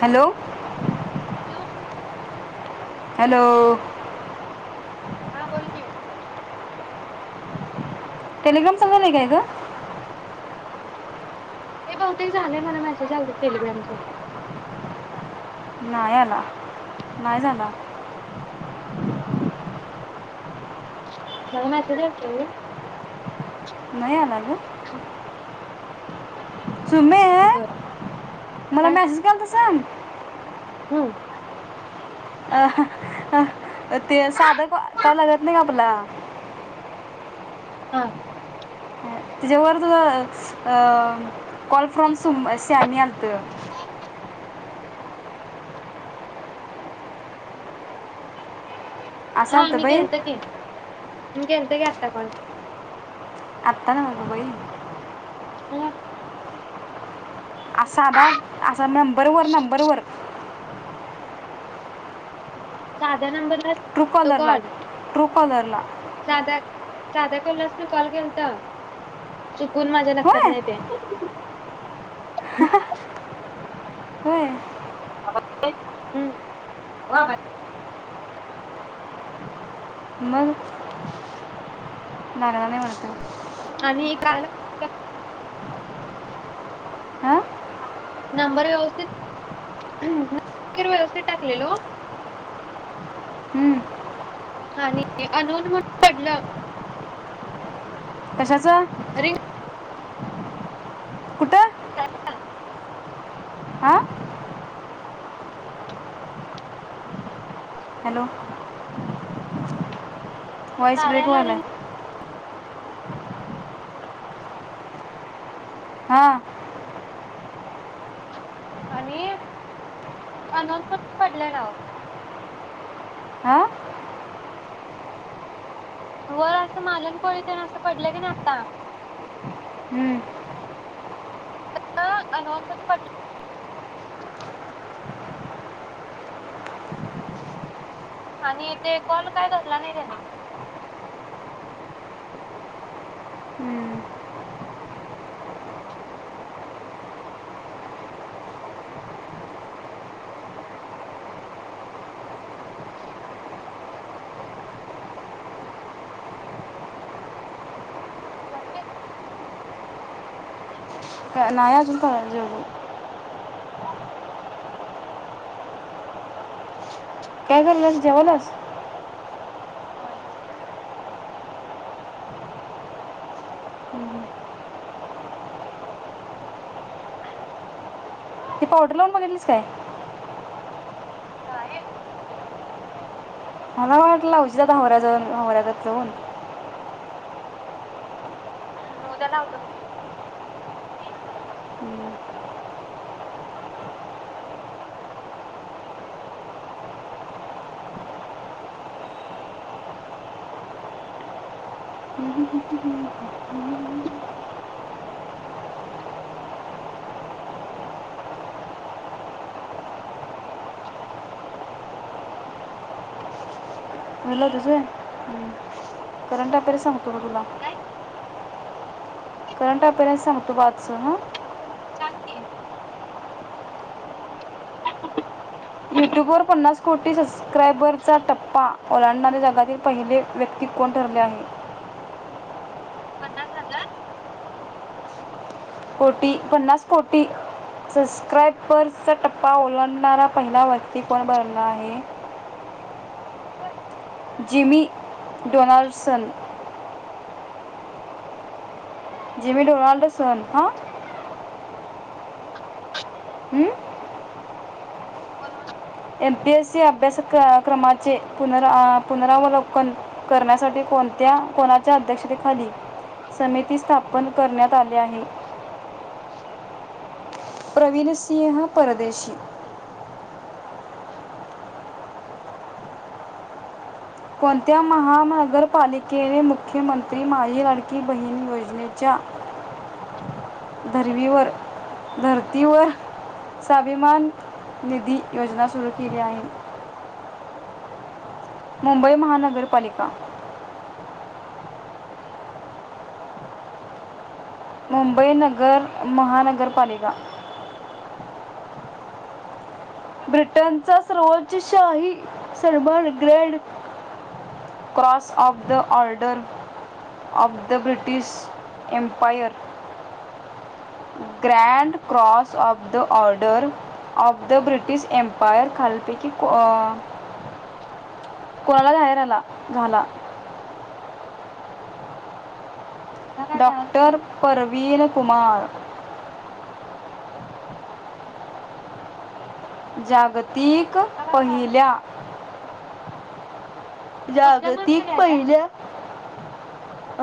Hello. Hello. Hello. हा बोलकी Telegram चालू झालंय काय का. [unintelligible] हे बहुते झालंय मला मेसेज आलत टेलिग्राम चा नाही आला नाही झाला. मला मेसेज आलता मा [unintelligible] नाही आल [unintelligible] ह् [unintelligible] सुमे बर मला काय मॅसेज कर. सांग [unintelligible] हम्म. आ हा आ. ते साधं कावं लागत नाही का आपला. हा. तच्यावर तुझ अ. कॉल फ्रॉम सुमस. शॅमि आलत [unintelligible] असं हा आलतं मी बाई केलत के. म केलतो की आत्ता कॉल अता न्हवं ग बाई हो. असाध असा नंबरवरर नंबरवरर. साध्या नंबर [unintelligible] ट्रूकॉलर ट्रूकॉलर साधा साध्या कल्यास मी कॉल केलता. चुकून माझ्या लक्षात होय नाहीेत. हम [unintelligible] होय. [unintelligible] हम्म [unintelligible] मग [unintelligible] नाही म्हणत आहे [inaudible] आणि काय? [inaudible] तर [inaudible] हां [unintelligible] नंबर व्यवस्थित नबर व्यवस्थित [inaudible] टाकलेलो. हम्म, आणि [inaudible] अननोन म्हणून पडलं. [inaudible] कशाच. अरे! ! [inaudible] कुठ? ह [unintelligible] हॅलो! ! [inaudible] वॉईस ब्रेक कार्याला व्हायलाय रिंग [inaudible] हा आणि [unintelligible] अनोनच पडले नाव. हां वर असं मालन कोळी तेना असं पडलं की, नाही आता हम्म, तसं अनोन पण पडलं आणि ते कॉल काय धरला नाही त्यांनी हम्म. [inaudible] जाऊदे [inaudible] नाही अजून [unintelligible] जेवले काय कराल्यास जेवाल्यास. हो ती पावडर [inaudible] लावून बघितलीस काय? नायी [unintelligible] मला वाटल लावशील आता हावऱ्या ज जाऊन हवऱ्यात जाऊन. ह उद्या लावतो ग [inaudible] [unintelligible] तुझ करंट अफेअर सांगत [unintelligible] दुला काय करंट अफेअर्स सांगतो बघ आजच. सांग की, [inaudible] यूट्यूबवर पन्नास कोटी सबस्क्रायबरचा टप्पा ओलांडणारे जगातील पहिले व्यक्ती कोण ठरले आहे? पन्नास हजार [inaudible] कोटी पन्नास कोटी सबस्क्राइबर्सचा टप्पा ओलाडणारा पहिला व्यक्ती कोण बनला आहे? ह Jimmy [inaudible] Donaldson [inaudible] Jimmy Donaldson हा [inaudible] हम्म कोण म एम पी एस सी अभ्यास क्रमाचे पुन पुनरावलोकन करण्यासाठी कोणत्या कोणाच्या अध्यक्षतेखाली? [inaudible] समिती स्थाप [inaudible] पण करण्यात [inaudible] आली आहे [unintelligible] ब [inaudible] प्रवीणसिंह परदेशी [inaudible] हम [inaudible] कोणत्या महानगरपालिकेने मुख्यमंत्री माजी लाडकी बहीण योजनेच्या [inaudible] धरवीवर धरतीवर स्वाभिमान निधी योजना सुरू केली आहे. मुंबई महानगरपालिका [unintelligible] मुंबई नगर महानगरपालिका [unintelligible] ब्रिटनचा सर्वोच्च शाही सरबन grand cross of the order of the British empire grand cross of the order of the British empire खालती की ये कुणाला बाहेर आला झाला. काय कळालं डॉक्टर नाही मला परवीन कुमार. [inaudible] जागत तीक कुठला काय कळालं पहिल्या कुठल्या जागतिक माणसं घ्यायल्यास पहिल्या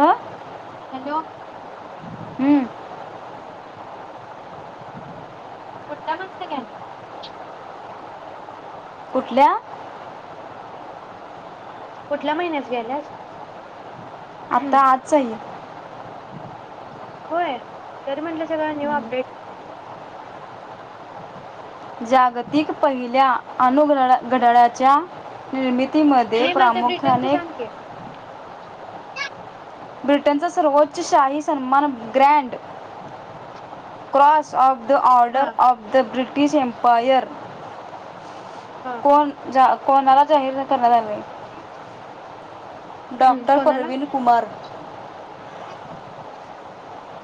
आं. हॅलो. हम्म. कुठला मासत घ्याल कुठल्या? कुठल्या महिन्यात ग्यालास. आता आज आहे. होय तरी म्हटलं सगळ न्यू अपडेट जागतिक पहिल्या अनु घडळ्याच्या निर्मती ती मध्ये नाही मला ते ब्रिटनच प्रामुख्याने सांग की [inaudible] ब्रिटनचा सर्वोच्च शाही सन्मान ग्रँड क्रॉस ऑफ द हा order of the ब्रिट British empire हा कोण कोणाला जाहीर करण्यात आले. डॉ कोणाला प्रवीण कुमार.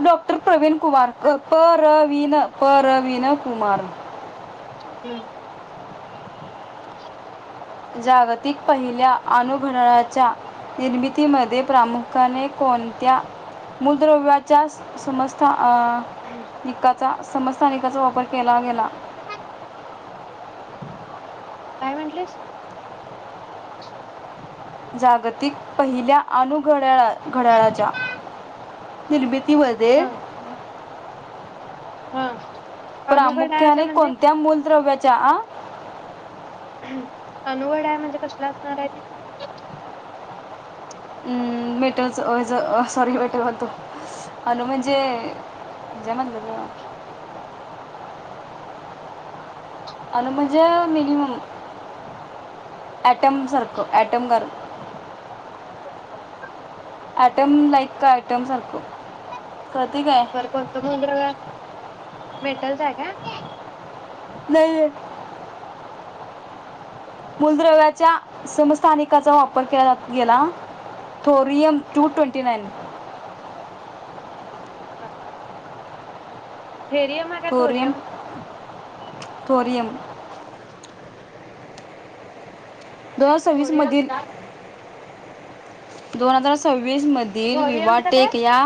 डॉक्ट प्रवीण कुमार पररवीण पररवीण कुमार. हम्म. जागतिक पहिल्या अनुभळाच्या निर्मितीमध्ये प्रामुख्याने कोणत्या मूलद्रव्याच्या समस्त अ निकत समस्थानिकाचा वापर केला गेला काय म्हटलीस जागतिक पहिल्या अनुघड्याळत घड्याळाच्या निर्मितीमध्ये हा हा अनुघड आहे प्रामुख्याने म्हणजे कोणत्या मूल द्रव्याच्या च अनुवड आहे म्हणजे कसला असणार आहे ते हम् मेटच सॉरी मेट म्हनतो अन म्हणजे जे म्हणलं. ते. हम् अनुमज मनीिमम ॲटम सारख ॲटम कर टम लाईक टम सारख सर कोंत मुंदर का मेटलचा ह का नाही. मूलद्रव्याच्या समस्थानिकाचा वापर केला गेला थोरियम टू ट्वेंटी नाइन हा थेरियम आहे का थोरियम तोरीयम दोन हजार सव्वीस मधील हम्म. दोन हजार सव्वीस वीज मधील विवा काय? टेक या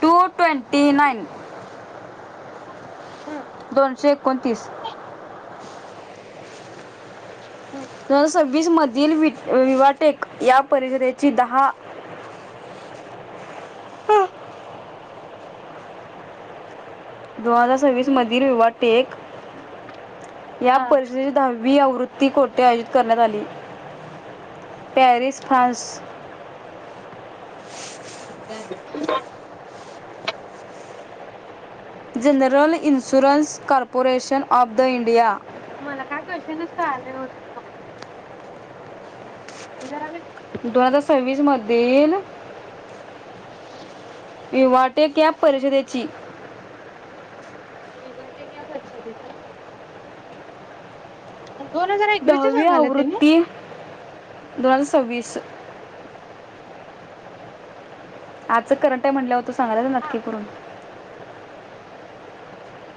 टू ट्वेंटी नाईन. हम्म. दोनशे एकोणतीस हम् दोन हजार सव्वीस मधील विवाटेक या परिषदेची दहा दोन हजार सव्वीस हम्म मधील रवाटेक या हा परिषदेची दहावी आवृत्ती ती कोटे आयोजित करण्यात आली. Paris France [inaudible] general insurance corporation of the India मला काय कशा न आले वर्ष जराम दोन हजार सव्वीस मधील ह विवाटे कॅप परिषदेची विभटेक या परिषदेते दोन हजार एकवीस दहावी सांगाला तनी आवृत्ती दोन हजार सव्वीस आच करंटय म्हटलं होत तू सांगला ना हा नाटककी करून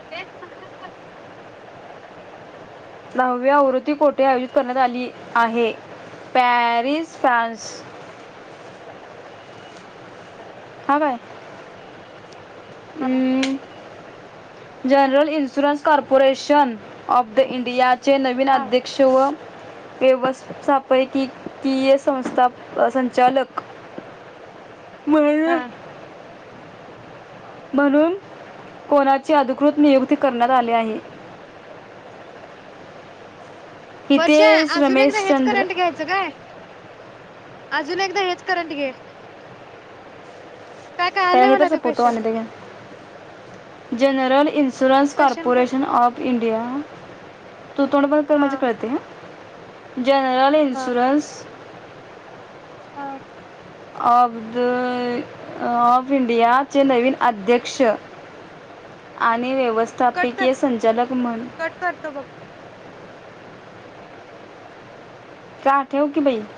तेच म्हणस तर दहाव्या आवृत्ती कोठे आयोजित करण्यात आली आहे पॅरिस फ्रान्स अ ह बाय हा general insurance corporation of the India चे नवीन हा अध्यक्ष व व्यवथापकीकीय संस्था संचालक वळ हा म्हणून कोणाची अधिकृत नियुक्ती करण्यात आली आहे वर्ष हितेश अजून एकदा हेच रमेशचंद्र करंट घ्यायचं काय अजून एकदा हेच कररंट घे काय कळालं प नाही हे तर मला ते क्वेश्चन. सपूतोवाने दे ग जनरल इन्शुर्स क्वेश्चन काय? कॉर्पोरेशन ऑफ इंडिया तू तोंडबण कर हा म्हणजे कळते ह जनरल हा इनशुरंस हा फ ऑफ इंडियाचे नवीन अध्यक्ष आणि कट कर. व्यवस्थापकीय संचालक म्ह कट करतो बघ. चठ हो क पई